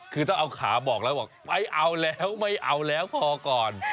คือต้องเอาขาบอกแล้วบอกไปเอาแล้วไม่เอาแล้วพอก่อน